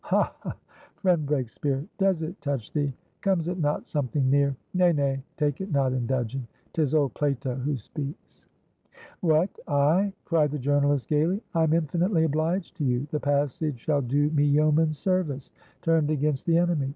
'Ha, ha, friend Breakspeare! Does it touch thee? 'Comes it not something near?'Nay, nay, take it not in dudgeon! 'Tis old Plato who speaks." "What, I?" cried the journalist, gaily. "I'm infinitely obliged to you. The passage shall do me yeoman's serviceturned against the enemy.